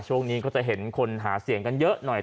ช่วงนี้ก็จะเห็นคนหาเสียงกันเยอะหน่อย